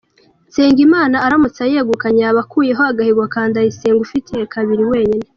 Nsengimana aramutse ayegukanye yaba akuyeho agahigo ka Ndayisenga uyifite kabiri wenyine.